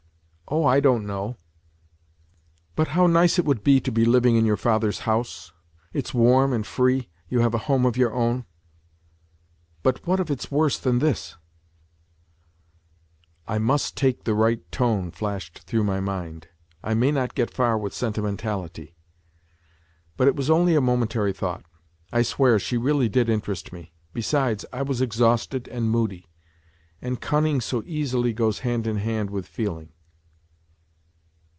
" Oh, I don't know." 124 " But how nice it would be to be living in your father's house ! It's warm and free ; you have a home of your own." " But what if it's worse than this ?"" I must take the right tone," flashed through my mind. " I may not get far with sentimentality." But it was only a momentary thought. I swear she really did interest me. Be sides, I was exhausted and moody. And cunning so easily goes hand in hand with feeling.